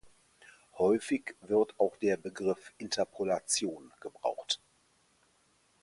Häufig wird auch der Begriff "Interpolation" gebraucht.